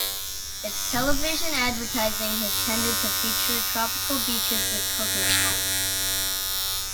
Its television advertising has tended to feature tropical beaches with coconut palms.